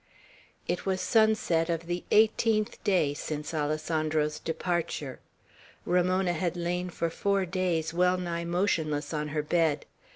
It was sunset of the eighteenth day since Alessandro's departure. Ramona had lain for four days well nigh motionless on her bed.